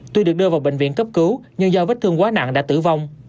tuy được đưa vào bệnh viện cấp cứu nhưng do vết thương quá nặng đã tử vong